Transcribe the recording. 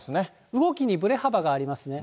動きにぶれ幅がありますね。